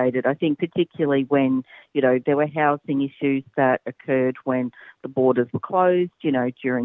kami pikir ini telah diperlukan